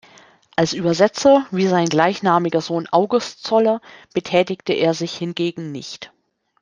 Als Übersetzer, wie sein gleichnamiger Sohn August Zoller, betätigte er sich hingegen nicht.